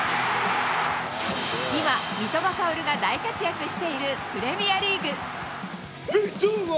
今、三笘薫が大活躍しているプレミアリーグ。